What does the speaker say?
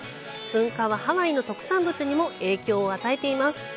噴火はハワイの特産物にも影響を与えています。